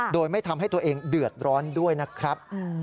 โดยไม่ทำให้ตัวเองเดือดร้อนด้วยนะครับ